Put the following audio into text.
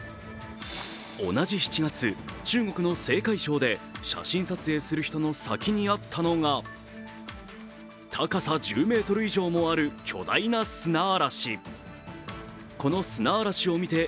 同じ７月、中国の青海省で写真撮影する人の先にあったのが、高さ１０ｍ以上もある巨大な砂嵐。